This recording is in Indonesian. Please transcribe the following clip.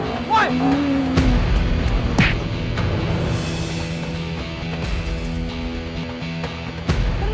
di masjid apa lu